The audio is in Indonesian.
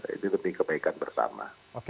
ini lebih kebaikan bersama